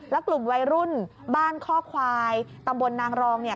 แล้วกลุ่มวัยรุ่นบ้านข้อควายตำบลนางรองเนี่ย